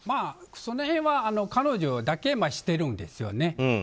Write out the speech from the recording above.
その辺は彼女だけが知っているんですよね。